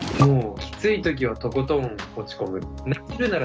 もうきつい時はとことん落ち込む。